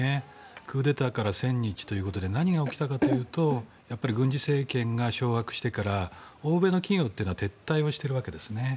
クーデターから１０００日で何が起きたかというと軍事政権が掌握してから欧米の企業は撤退をしているわけですよね。